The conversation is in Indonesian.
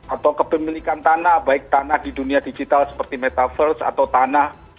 atau kepemilikan tanah baik tanah di dunia digital seperti metaverse atau tanah